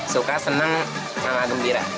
suka senang malah gembira